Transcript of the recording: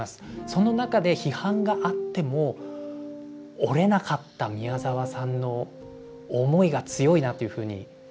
その中で批判があっても折れなかった宮沢さんの思いが強いなっていうふうに感じますが